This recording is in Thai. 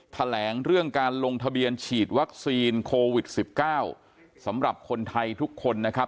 แถลงเรื่องการลงทะเบียนฉีดวัคซีนโควิด๑๙สำหรับคนไทยทุกคนนะครับ